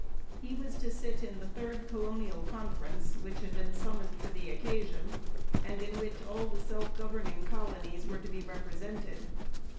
He was to sit in the third Colonial Conference which had been summoned for the occasion and in which all the self governing colonies were to be represented.